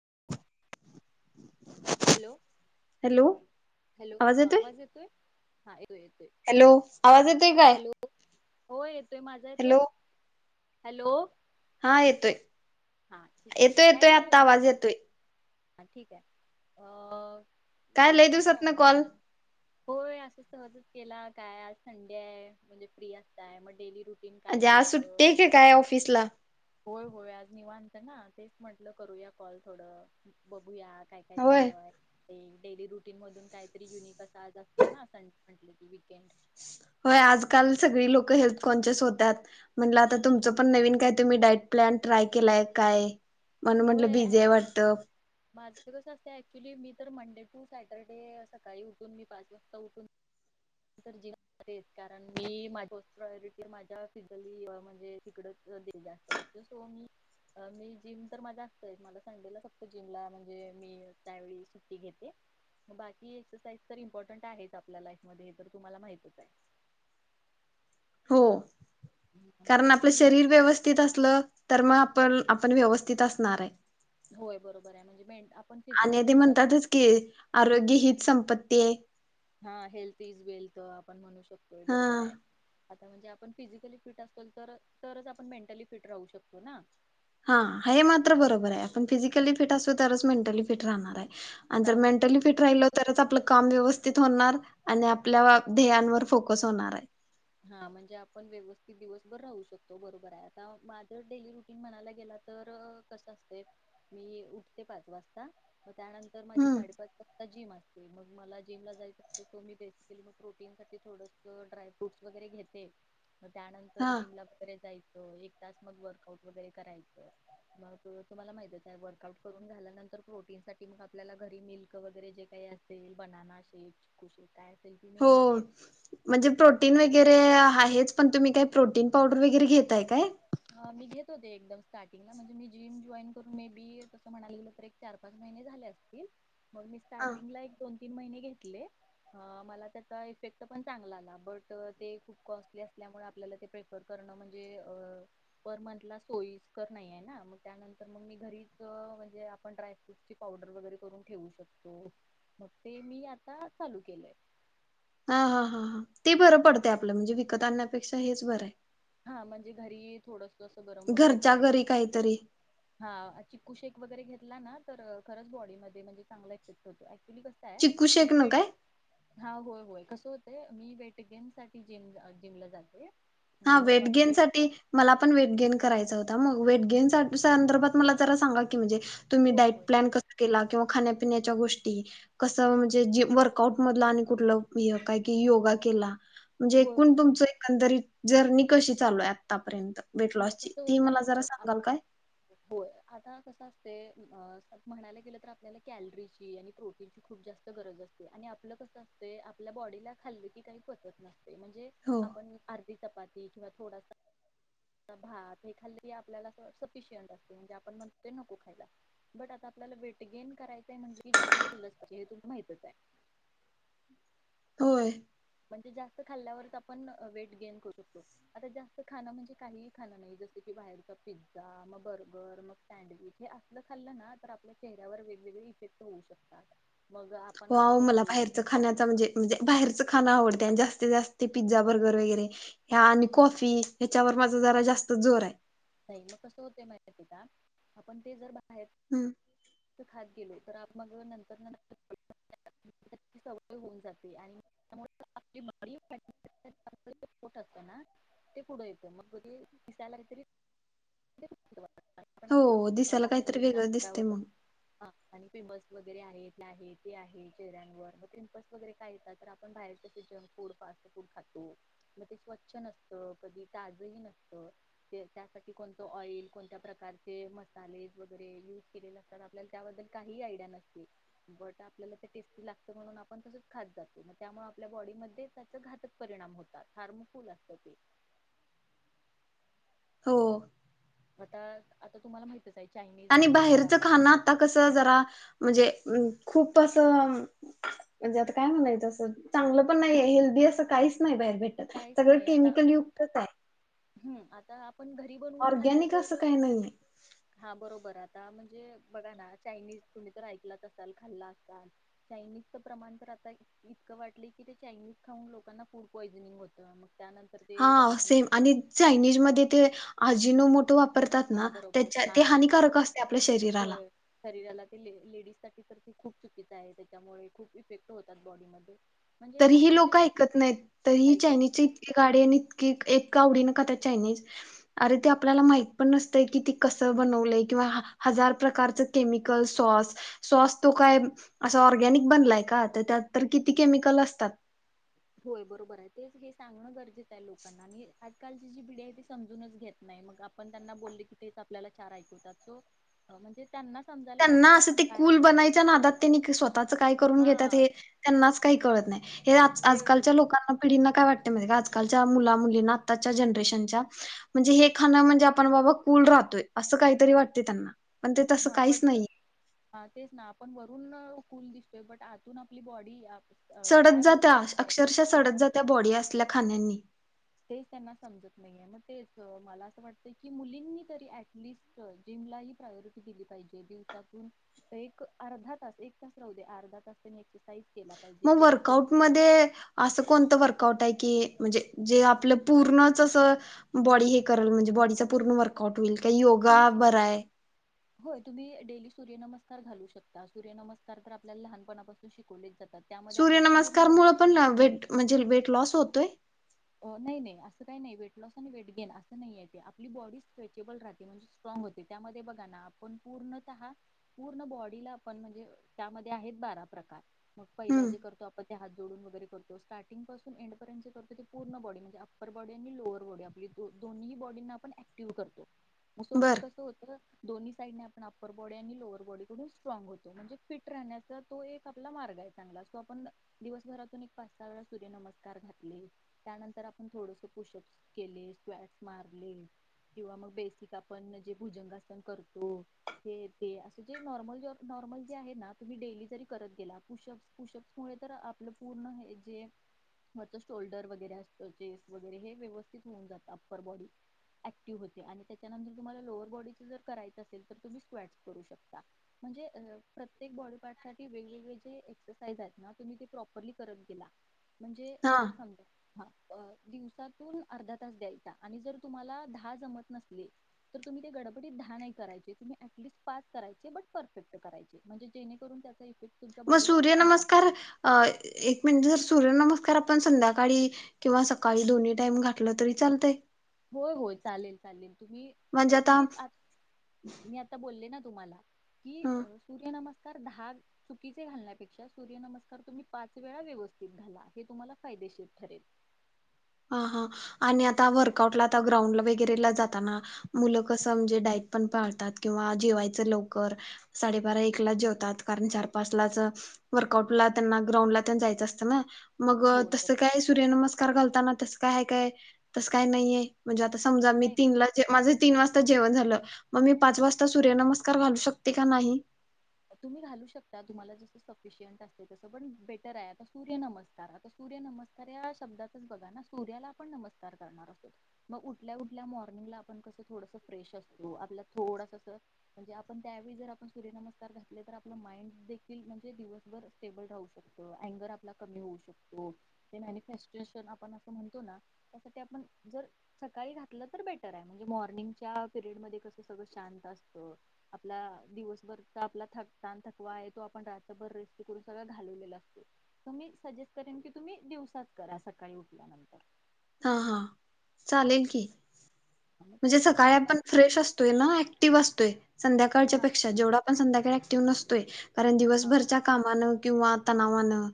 [inaudible] [inaudible] Hello! Hello! Hello! आवाज येतोय, हा येतोय येतोय हॅलो आवाज येतोय काय? हॅलो! हो येतोय माझा येतोय. Hello hello! हा येतोय. हा ठीक आहे येतोय काय येतोय नाही आत्ता अ, आवाज येतोय. हा ठीक आहे अ काय हम्म, लई असं दिवसात न कॉल? होय, अस सहजच केला काय आज संडे आहे म्हणजे, फ्री असताय मग डेली रुटीन काय म्हणजे आज तुमचं सुट्टी की, काय ऑफिसला? होय, होय आज निवांत ना तेच म्हटलं, करूया कॉल थोडं बघूयात काय काय होय. चालू आहे? ते डेली रुटीन मधून काहीतरी युनिक अस आज असत ना संडे म्हटलं की विकेंड होय, आजकाल सगळी लोक हेल्थ कॉन्शिस होत्यात म्हणलं, आता तुमचं पण नवीन काय तुम्ही डाईट प्लॅन ट्राय केलाय काय? म्हणून म्हणलं होय बिझी हाय वाटतं. माझं कस असत ऍक्च्युली मी तर मंडे टू सॅटरडे सकाळी उठून मी पाच वाजता उठून जिम मध्ये कारण मी प्रयोरिटी माझ्या फिजली म्हणजे हिकडं-तिकड जात असते, सो मी मी जिम तर माझ असतय मला संडेला. जिमला म्हणजे मी त्यावले सुट्टी घेते, मग बाकी एक्सरसाइज तर इमपॉर्टंट आहे आपल्या लाईफ मध्ये तर तुम्हाला माहितच आहे. हो. हम्म, मग कारण तेच आपलं मी शरीर व्यवस्थित असलं. तर मग आपण आपण व्यवस्थित असणार आहे. होय बरोबर आहे म्हणजे मेघा आणि ते म्हणतातच की आरोग्य हीच. संपत्ती आहे हा हेल्थ इज वेल्थ आपण म्हणू शकतो बरोबर हा. आहे आता म्हणजे आप फिजिकली फिट असलो तरच आपण मेंटली फिट राहू शकतो ना. हा हे मात्र बरोबर आहे आपण फिजिकली फिट असू तरच मेंटली फिट राहणार आहे. आणि जर आता मेंटली फिट राहिल तरच आपल काम व्यवस्थित होणार आणि आपल्या ध्येयांवर फोकस होणार आहे. हा म्हणजे आपण व्यवस्थित दिवसभर राहू शकतो बरोबर आहे आता माझं डेली रुटीन म्हणायला गेला तर अ कस असते मी उठते पाच वाजता त्यानंतर माजी हम्म साडेपाच वाजता जीम अ मंग मला जिमला जायच असतं तर मी बेसिकली मंग प्रोटीन साठी थोडस ड्राय फ्रुट्स वगैरे घेते मंग त्यानंतर हा जीमला [unintelligible] जाय अ एक तास मंग वर्कआउट वगैरे करायचं मंग तुम्हाला माहितच आहे वर्कआउट करून झाल्यानंतर प्रोटीन साठी मंग आपल्याला घरी मिल्क वगैरे जे काही असेल बनाना शेक चिकू शेक काय असेल ती मी हो घेते म्हणजे प्रोटीन व्हय वगैरे आहेच पण तुम्ही काही प्रोटीन पावडर वगैरे घेतताय काय. मी घेत होते एकदम स्टार्टिंगला म्हणजे मी जिम जॉईन करून मे बी तसं म्हणालेलं तर एक चार पाच महिने झाले असतील. मंग मी हा स्टार्टिंगला एक दोन तीन महिने घेतले अ मला त्याचा इफेक्ट पण चांगला आला बट अ ते खूप कॉस्टली असल्यामुळे आपल्याला ते पेफर करणं म्हणजे अ पर मंथला सोयीस्कर नाईयेना मंग त्यानंतर मंग मी घरीच अ म्हणजे आपण ड्रायफ्रूटची पावडर वगैरे करून ठेवू शकतो मग ते मी आता चालू केलंय आ हा हा हा ते बरं पडते आपलं म्हणजे भी कत आणण्या पेक्षा हेच बरं ये हा म्हणजे घरी थोडस अस गरम वगैरे घरच्या घरी काहीतरी करायचं हा चिक्कू शेक वगैरे घेतला ना तर अ खरच बॉडीमध्येध्ये म्हणजे चांगला इफेक्ट होतो तुम्ही कसकाय चिकू मी शेक न ते काय? हा होय होय कस हो म्हणजे मी वेट गेनसाठी जिमला अ जिमला जाते. हा म्हणजे वेट माझं गेन पेट साठी मला पण वेट गेन क करायचा होता मंग वेट गेन चा संदर्भात मला जरा सांगा की म्हणजे तुम्ही होय डाएट होय प्लॅन कसा केला किंवा खाण्यात चा गोष्टी कस म्हणजे जे वर्कआऊट मधलं आणि कुठला ये कायकी योगा केला म्हणजे होय एकूण होय तुमचं एकंदरीत जर्नी कशी चालुये आतापर्यंत वेट ह लॉसची कस ती होते मला जरा अ आ सांगाल काय हो आता कस असते म्हणायला गेलं तर आपल्याला कॅलरीची आणि प्रोटीनची खूप जास्त गरज असते आणि आपलं कसं असते आपल्या बॉडीला खाल्लं की काही पचत नस म्हणजे हो आपण आर्धी चपा की थोडा थोडासा भात हे खालकी आपल्याला अस सफिशियंट असते मग आपण म्हणतो नको खायला बट आता आपल्याला वेट गेन करायचंय म्हणजे कि ज्यात हे केलंच पाहिजे हे तुम्हाला माहितच आहे. होय म्हणजे जास्त खाल्ल्यावरच आपण अ वेट गेन करू शकतो आता जास्त खाणं म्हणजे काहीही खां नाही जसं की बाहेरचा पिझ्झा मग बर्गर मग सॅडविच हे असलं खाल्लं ना तर आपल्या चेहऱ्यावर वेगवेगळे इफेक्ट होऊ शकतात. मग आपण हो आता आहों मला बघतोय बाहेरच खाण्याचा म्हणजे म्हणजे बाहेरच खाण आवडते आणि जास्तीत जास्त पिझ्झा बर्गर वगैरे आणि कॉफी ह्याच्यावर माझा जरा जास्त जोर आहे. साईडला कस होतये माहीत ये का आपण ते जर भा हम्म. [inaudible] त खात गेले [inaudible] तर मग नंतर होऊन जाते आणि असत ना ते पुढे येत मग दिसायला काहीरी [inaudible] ते [inaudible] ण हो आ दिसायला बाहेर काहीतरी निघणार वेगळं दिसते त्यावत मग हा आणि [inaudible] पिंपल्स वगैरे आहे इथ आहे ते आहे चेहऱ्यांवर मग पिंपल्स वगैरे काय येतात तर आपण बाहेर कसे जंक फूड फास्ट फूड खातो मग ते स्वच्छ नसत कधी ताजही नसण [inaudible] त्यासाठी कोणतं ऑइल कोणत्या प्रकारचे मसालेज वगैरे युज केलेले असतात आपल्याला त्याबद्दल काही आयडिया नसते बट आपल्याला ते टेस्टी लागत म्हणून आपण तसच खात जातोग त्यामुळे आपल्या बॉडीमध्येध्ये त्याचा घातक परिणाम होतात हार्मकुल असत ते [inaudible] हो आता आता तुम्हाला माहिती [inaudible] आणि बाहेरचं खाणं आता कसं जरा म्हणजे खूप असं म्हणजे आता काय म्हणायच असं चांगलं पण नाही हेल्दी असं काहीच नाही बाहेर काहीच सगळ नाही आता केमिकल युक्तच आहे. हम्म आता पण घरी बनवून खाल्लं ऑर्गॅनिक असं तर काही नाहीये हा बरोबर पण बघा ना चायनीज तुम्ही तर ऐकला असाल खाला असल चायनीज प्रमाण इतक वाढलं की ती चायनीज खाऊन लोकांना फूड पॉसिंग होते होत मग त्यानंतर हा ते दवाखान्यात सेम आणि जायचं चायनीज मध्ये ते आजीनो मोटो वापरतात. वापरतात हा ना बरोबर त्याच्या हा ते हानिकारक असते आपल्या शरीराला होय शरीराला ते ले लेडीज तर खूप चुकीच आहे त्याच्यामुळे खूप इफेक्ट होतात बॉडीमध्ये [inaudible] तरी ही असं जे लोक ऐकत नाहीत तर ही ऐकत चायनीजचे इतके गाडे आणि इतके आवडीने खातात चायनीज अरे ते आपल्या माहीत पण नसतं कसा बनवलाय किंवा हजार प्रकारचं केमिकल सॉस सॉस तो काय ऑरगॅनिक बनलाय काय त्यात तर किती केमिकल कल असतात. होय बरोबर आहे तेच हे सांगणं गरजेचं लोकांना कालची पिढी आहे ती समजूनच घेत नाही. मग आपण त्यांना बोलले की ते आपल्याला चार ऐकतात सो म्हणजे त्यांना समजायला पाहिजे त्यांना की असं आपण ते काय कुल खात बनायच्या नादात त्यांनी स्वतःच काय करून घेतात हा हे त्यांनाच काही कळत नाही. हे आज ते आजकालच्या लोकांना पिढींना काय वाटत. आज कालच्या मुला मुलीना आताच्या जनरेशन च्या म्हणजे हे खाण म्हणजे आपण कूल राहतोय असा काय तरी वाटतंय त्यांना ते तसं हा काहीच पटत नाहीये. हा तेच ना आपण वरून कुल दिसतोय बट आतून आपली बॉडी सडत काय होत जाता चालतेय अक्षरशः हा सडत जात्या बॉडी असल्या खाण्यांनी तेच त्यांना समजत नाहीये मग तेच मला असं वाटत की मुलींनी तरी ॲटटलिस्ट जिमला ही प्रायोरिटी दिली पाहिजे दिवसातून एक अर्धा तास एक तास राहु दे अर्धा तास नक् मग वर्कउट मध्ये असं कोणत वर काऊट आहे की म्हणजे जे आपलं पूर्णच अस बॉडी हे करल म्हणजे बॉडीच पूर्ण वर्कआउट होईल काही योगा तुम्ही बराय होय तुम्ही डेली सूर्यनमस्कार घालू शकता सूर्यनमस्कार तर आपल्याला लहानपणापासून शिकवले सूर्य नमस्कारमुळे पण वेट म्हणजे वेट लॉस होतोय नाही नाही असं काही नाही वेट लॉस आणि वेट गेन असं नाही य ते आपली बॉडी स्ट्रेचेबल राहते म्हणजे स्ट्राग होते त्यामध्ये बघा ना आपण पूर्णतः पूर्ण बॉडीला आपण म्हणजे त्यामध्ये आहेत बारा प्रकार मग पहिला हम्म जे करतो आपण ते हात जोडून वगैरे करतो स्टार्टिंग पासून एंडपर्यंत जे करतो पूर्ण बॉडी म्हणजे अप्पर बॉडी आणि लोअर बॉडी आपली दोनही बॉडींना आपण ऍक्टिव्ह करतो उस म्हणजे बर कसं होतं दोन्ही साईडने आपण अप्पर बॉडी आणि लोअर बॉडीकडून स्ट्राग होतो म्हणजे फिट राहण्याचा तो एक आपला मार्ग आहे चांगला सो आपण दिवसभरातून एक पाच सहा वेळा सूर्य नमस्कार घातले त्यानंतर आपण थोडस पुशअप्स केले स्वटस मारले किंवा मग बेसिक आपण जे भुजंगासन करतो हे ते असं जे नॉर्मल नॉर्मल जे आहे ना तुम्ही डेली जरी करत गेलाशपशप्स मु तर आपलं पूर्ण हे जे शोल्डर वगैरे असत चेस्ट वगैरे हे व्यवस्थित होऊन जात अप्पर बॉडी ऍक्टिव्ह होते आणि त्याच्यानंतर तुम्हाला लोअर बॉडी जर करायच असेल तर तुम्ही स्क्वट करू शकता म्हणजे प्रत्येक बॉडी पार्ट साठी वेगवेगळे जे एक्सरसाज आहेत ना तुम्ही ते प्रपरली कर केला म्हणजे हा ह दिवसातून अर्धा तास द्यायचा आणि जर तुम्हाला दहा जमत नसलतील तर तुम्ही ते गडबडीत दहा नाही करायचे तुम्ही ॲटलिस्ट पाच करायचे बट परफेक्ट करायचे म्हणजे जेणेकरून इफेक्ट तुमच्या मग बॉडीवर सूर्य चांगला होईल. नमस्कार अ एक मिनट जर सूर्य नमस्कार आपण संध्याकाळी किंवा सकाळी दोन्ही टाईम घातलं तरी चालतंय होय होय चालेल चालेल तुम्ही म्हणजे आता मी आत मी आता बोलले ना तुम्हाला कि अ सूर्यनमस्कार त्र दहा चुकीचे घालण्यापेक्षा सूर्य नमस्कार तुम्ही पाच वेळा व्यवस्थित घला हे तुम्हाला फायदेशीर ठरेल हा हा आणि आता वर्कआउटला आता ग्राउंड वगैरेला जाताना मुलं कसं म्हणजे डाईट पण पाळतात किंवा जेवायचं लवकर साडेबारा एकला जेवतात कारण चार पाच लाच वर्कआउट ला त्यांना ग्राउंडला त्यां जायचं असतं ना मग हो बरोबर. तसं काय सूर्यनमस्का कार घालताना तस काय काय तसं काय नाहीये म्हणजे आ समजा मी नाही नाही तीन माझे तीन वाजता जेवण झाल मग मी पाच वाजता सर्य नमस्कार घालू शकतोय काय नाही तुम्ही घाल त जस सफिशियंट असते तस पण बेटर आहे आता सूर्य नमस्कार आता सूर्य नमस्कार या शब्दातच बघा ना सूर्याला आपण नमस्कार करणार असतो मग उठल्या उठल्या मॉर्निंगला आपण कस थोडस फ्रेश असतो आपला थोडस म्हणजे आपण त्यावेळी जर आपण सूर्य नमस्कार घातला आप माइंड देखिल म्हणजे दिवसभर स्टेबल राहू शकत अँगर आपला कमी होऊ शकतो ते मनफेस्टेशन आपण अस म्हणतो ना त्यासाठी आपण जर सकाळी घातलं तर बेटर आहे म्हणजे मॉर्निंगच्या पिरयड मध्ये कस सगळ शांत असत आपला दिवसभराचा अपला थकता थकवा आहे तो आप रातभर रेस्ट करून सगळ घालवलेला असतो तर म सजेट करेन की तुम्ही दिवसात करा सकाळी उठल्यानंतर हा हा चालेल की मग म्हणजे तेच सकाळी मग आपण फ्रेश असतोय ना ऍक्टिव्ह अस तोय संध्याकाळच्या हा पेक्षा जेवढं आपण संध्याका त र ॲक्टिव्ह जसतोय कारण हा दिवसभरच्या कामानं किंवा तणावानं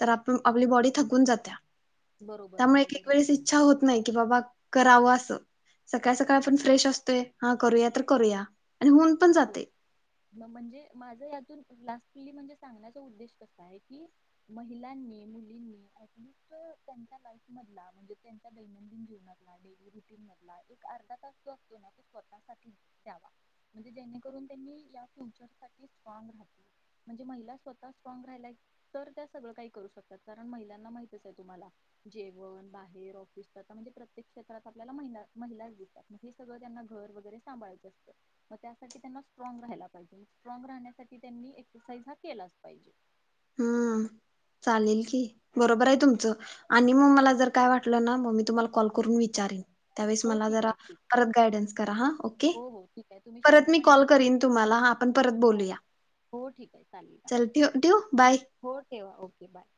तर आप आपली बॉडी थकून जाते. बरोबर त्यामुळे एक एक बरोबर वेळेस इच्छा होत नाही. की बाबा करावं अस सकाळ सकाळ हा आपण फ्रेश असते हा करूया तर करूया आणि होऊन पण हो जाते म्हणजे माझ यातून लास ॲक्चुली म्हणजे सांगण्याचा उद्देश कसा आहे की, महिलांनी, मुलींनी ॲटलिस्ट त्यांच्या लाईफ मधला, म्हणजे त्यांच्या दैनंदिन जीवनातला, डेली रुटीन मधला एक अर्धा तास जो असतो ना स्वतः साठी द्यावा. म्हणजे जेणेकरून त्यांनी या फ्युचरसाठी स्ट्रॉग राहतील म्हणजे महिला स्वतः स्ट्रॉग राहिल्या तर त्या सगळं काही करू शकतात कारण, महिलांना माहितच आहे तुम्हाला जेवण, बाहेर, ऑफिसला म्हणजे प्रत्येक क्षेत्रात आपल्याला महिला महिलाच दिसतात हे सगळं त्यांना घर वगैरे सांभाळायचं असतं. मग त्यासाठी त्यांना स्ट्राँग राहायला पाहिजे. स्ट्राँग राहण्यासाठी त्यांनी एक्सरसाइज हा केलाच पाहिजे. हम्म चालेल की, बरोबर आहे तुमचं आणि मग मला जर काय वाटलं ना मग मी तुम्हाला कॉल करून विचारीन. त्यावेळेस हो मला ठीक जरा आहे ठीक परत गायडन्स करा हा ओके. हो हो ठीक आहे तुम्ही परत मी शांतपणे कॉल ऐकून करीन तुम्हाला हा आपण परत हो बोलूया. हो ठीक आहे चालेल. चल ठेऊ ठेऊ बाय. हो ठेवा ओके बाय.